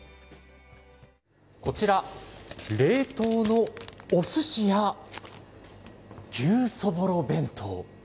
こちら、冷凍のおすしや牛そぼろ弁当。